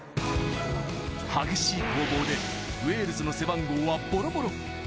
激しい攻防でウェールズの背番号はボロボロ。